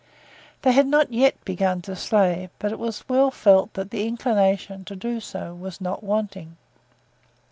They had not yet begun to slay, but it was well felt that the inclination to do so was not wanting.